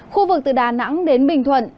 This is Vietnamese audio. khu vực từ đà nẵng đến bình thuận